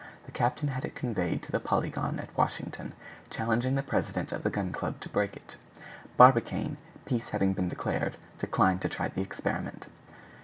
The captain had it conveyed to the Polygon at Washington, challenging the president of the Gun Club to break it. Barbicane, peace having been declared, declined to try the experiment.